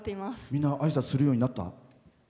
みんなあいさつするようになった？